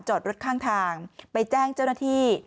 จอดรถข้างทางไปแจ้งเจ้าหน้าที่